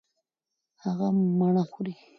هغه مڼه خوري.